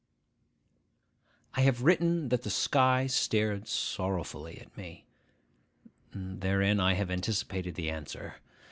I have written that the sky stared sorrowfully at me. Therein have I anticipated the answer.